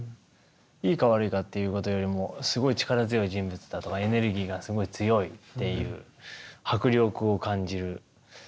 いいか悪いかっていうことよりもすごい力強い人物だとかエネルギーがすごい強いっていう迫力を感じる。